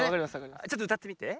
ちょっとうたってみて。